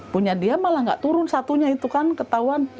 punya dia malah gak turun satunya itu kan ketahuan